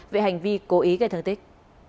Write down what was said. về hành vi cố ý gây thương tích